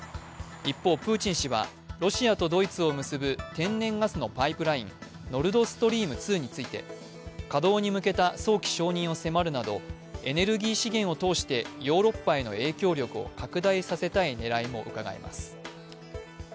一方、プーチン氏はロシアとドイツを結ぶ天然ガスのパイプライン、ノルドストリーム２について、稼働に向けた早期承認を迫るなどエネルギー資源を通してヨーロッパへの影響力を拡大させたい狙いもうかがえます。